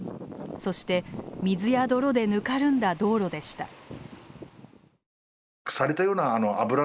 そして水や泥でぬかるんだ道路でした。